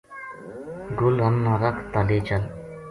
گل ہمناں رکھ تا لے چل